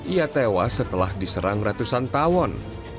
ia tewas setelah diserang ratusan tawon